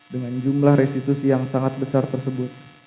dengan jumlah restitusi yang sangat besar tersebut